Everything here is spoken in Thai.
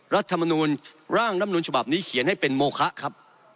รัฐมนูลร่างลำนูลฉบับนี้เขียนให้เป็นโมคะครับ